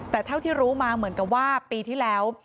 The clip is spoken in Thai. แต่เท่าที่รู้มาเหมือนกับว่าปีที่แล้ว